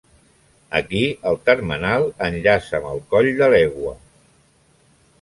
Aquí el termenal enllaça amb el Coll de l'Egua.